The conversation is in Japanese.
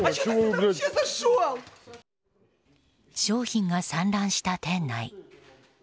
商品が散乱した店内。